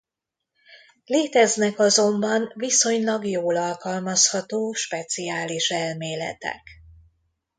Léteznek azonban viszonylag jól alkalmazható speciális elméletek.